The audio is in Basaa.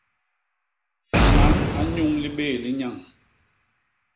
Man a nnyuñ libéé li nyañ.